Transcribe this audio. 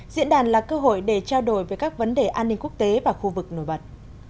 diễn đàn là cơ hội để trao đổi về các vấn đề an ninh quốc tế và khu vực nổi bật